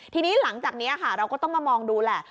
ทีนี้หลังจากนี้ค่ะเราก็ต้องมามองดูแหละ